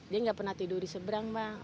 dia enggak pernah tidur di sebrang bang